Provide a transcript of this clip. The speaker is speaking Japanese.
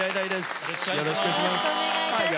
よろしくお願いします。